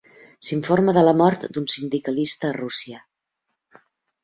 S'informa de la mort d'un sindicalista a Rússia.